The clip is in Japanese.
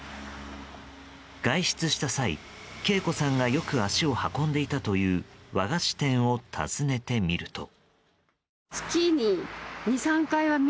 外出した際、敬子さんがよく足を運んでいたという和菓子店を訪ねてみると。